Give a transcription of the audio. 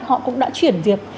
họ cũng đã chuyển diệt